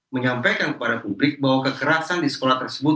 menyampaikan kepada publik bahwa kekerasan di sekolah tersebut